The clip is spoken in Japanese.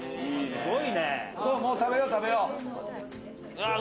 食べよう、食べよう。